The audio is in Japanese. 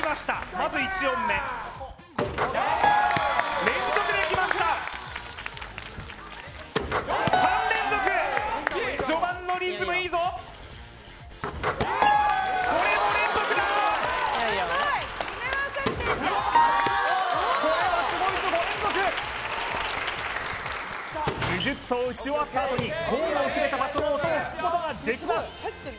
まず１音目連続できました３連続序盤のリズムいいぞこれも連続だ２０投打ち終わったあとにゴールを決めた場所の音を聞くことができます